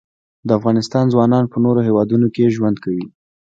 د افغانستان ځوانان په نورو هیوادونو کې ژوند کوي.